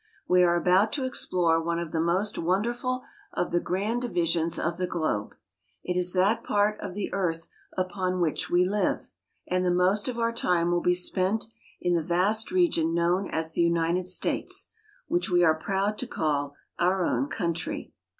We are about to explore one of the most wonderful of the grand divisions of the globe. It is that part of the earth upon which we live, and the most of our time will be spent in the vast region known as the United States, which we are proud to call our own country.